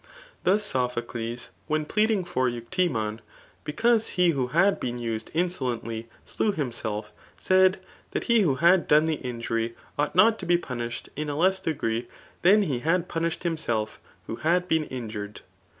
Thus Sophocles when pleading for Euctemon, because he who ' had been used insolently slew hunself, said, that he who had done the injury ought not to be punished in a less degree, than he had punished himself who had been injured.